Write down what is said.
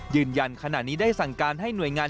ขณะนี้ได้สั่งการให้หน่วยงาน